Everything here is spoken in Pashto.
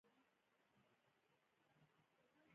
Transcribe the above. موږ په پراخو چرمي چوکیو کې تکیه وهلې ناست وو.